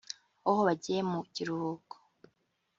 aho bagiye mu kirihuko